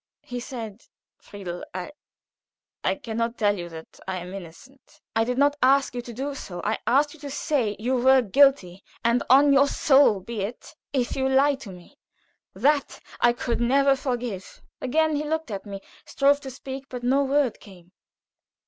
He said: "Friedel, I can not tell you that I am innocent." "I did not ask you to do so. I asked you to say you were guilty, and on your soul be it if you lie to me. That I could never forgive." Again he looked at me, strove to speak, but no word came.